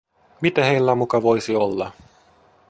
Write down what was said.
Mitä heillä muka voisi olla?